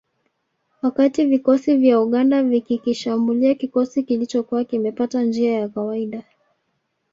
Wakati vikosi vya Uganda vikikishambulia kikosi kilichokuwa kimepita njia ya kawaida